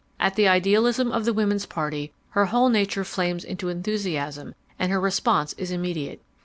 At the idealism of the Woman's Party her whole nature flames into enthusiasm and her response is immediate.